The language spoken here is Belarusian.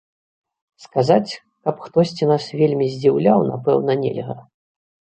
Сказаць, каб хтосьці нас вельмі здзіўляў, напэўна, нельга.